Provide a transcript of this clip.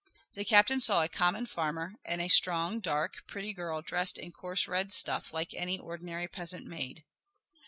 The captain saw a common farmer and a strong, dark, pretty girl dressed in coarse red stuff like any ordinary peasant maid.